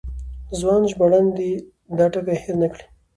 ځوان ژباړن دې دا ټکی هېر نه کړي.